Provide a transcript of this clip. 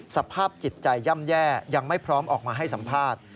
สภาพจิตใจย่ำแย่ยังไม่พร้อมออกมาให้สัมภาษณ์